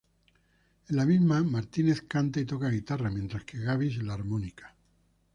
En la misma Martínez canta y toca guitarra, mientas que Gabis la armónica.